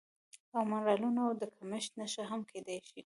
او منرالونو د کمښت نښه هم کیدی شي